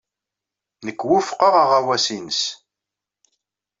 Nekk wufqeɣ aɣawas-nnes.